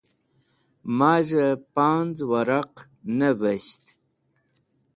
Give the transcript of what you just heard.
Maz̃hẽ panz wẽraq nevesht.